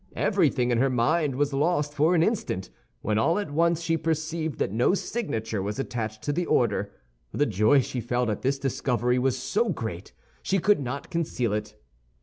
Everything in her mind was lost for an instant; when all at once she perceived that no signature was attached to the order. The joy she felt at this discovery was so great she could not conceal it.